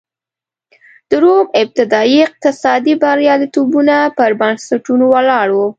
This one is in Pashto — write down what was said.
د روم ابتدايي اقتصادي بریالیتوبونه پر بنسټونو ولاړ و